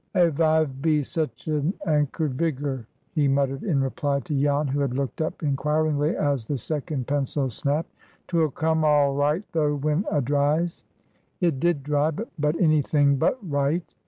"A vive be such an akkerd vigger," he muttered, in reply to Jan, who had looked up inquiringly as the second pencil snapped. "'Twill come aal right, though, when a dries." It did dry, but any thing but right.